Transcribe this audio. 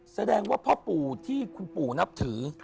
แสดงว่าพ่อปู่ที่คุณปู่นับถือ